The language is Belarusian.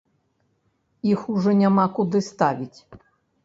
Іх ужо няма куды ставіць.